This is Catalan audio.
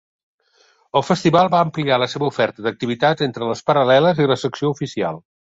El Festival va ampliar la seva oferta d'activitats, entre les paral·leles i la secció oficial.